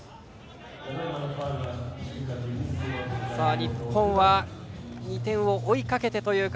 日本は２点を追いかけてという形。